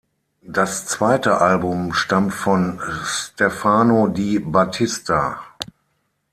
Das zweite Album stammt von Stefano Di Battista.